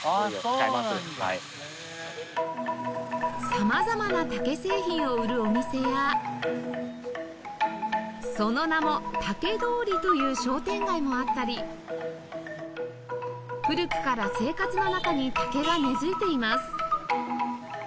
様々な竹製品を売るお店やその名も竹通りという商店街もあったり古くから生活の中に竹が根付いています